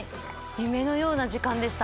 夢のような時間でした。